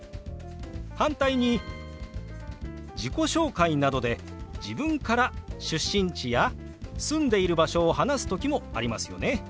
反対に自己紹介などで自分から出身地や住んでいる場所を話す時もありますよね。